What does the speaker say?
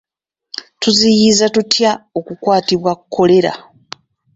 Tuziyiza tutya okukwatibwa Kkolera?